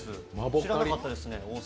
知らなかったです。